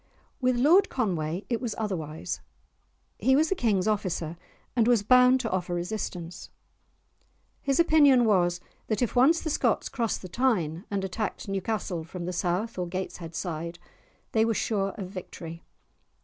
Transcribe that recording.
With Lord Conway it was otherwise; he was the King's officer, and was bound to offer resistance. His opinion was that if once the Scots crossed the Tyne, and attacked Newcastle from the south or Gateshead side, they were sure of victory.